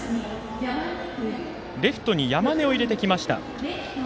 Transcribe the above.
レフトに山根を入れてきました。